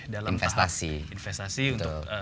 derfas kasih itu